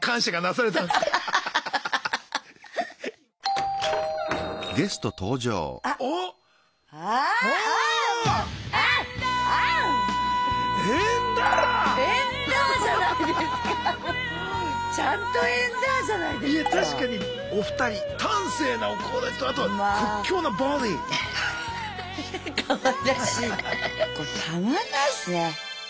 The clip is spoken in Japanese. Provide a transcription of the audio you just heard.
これたまんないっすね。